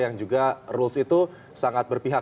yang juga rules itu sangat berpihak